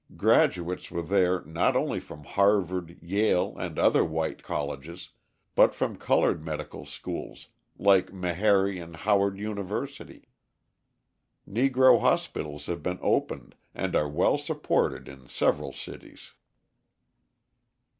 Graduates were there not only from Harvard, Yale, and other white colleges, but from coloured medical schools like Meharry and Howard University. Negro hospitals have been opened and are well supported in several cities.